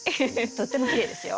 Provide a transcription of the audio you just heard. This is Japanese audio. とってもきれいですよ。